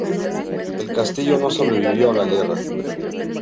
El castillo no sobrevivió a la guerra.